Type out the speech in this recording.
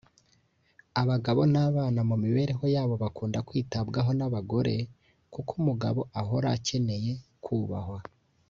Abagabo n’abana mu mibereho yabo bakunda kwitabwaho n’abagore kuko umugabo ahora akeneye kubahwa